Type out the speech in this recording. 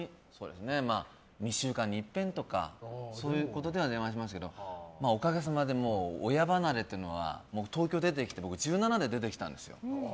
２週間にいっぺんとか電話しますけどおかげさまで親離れというのは東京出てきて僕１７で出てきたんですよ。